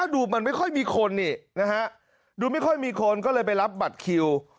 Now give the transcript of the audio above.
ดูมันไม่ค่อยมีคนนี่นะฮะดูไม่ค่อยมีคนก็เลยไปรับบัตรคิว